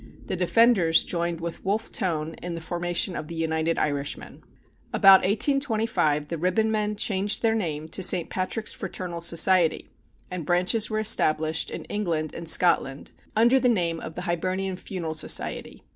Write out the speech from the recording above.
The Defenders joined with Wolfe Tone in the formation of the United Irishmen. About 1825 the Ribbonmen changed their name to St. Patrick's Fraternal Society, and branches were established in England and Scotland under the name of the Hibernian Funeral Society.